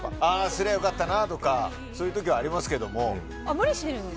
すりゃ良かったなという時とかそういう時はありますけど。